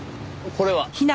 これは？